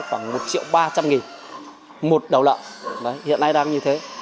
khoảng một triệu ba trăm linh nghìn một đầu lợn hiện nay đang như thế